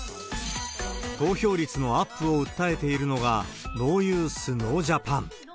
投票率のアップを訴えているのが、ノーユース・ノージャパン。